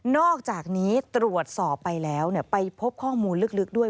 อกจากนี้ตรวจสอบไปแล้วไปพบข้อมูลลึกด้วย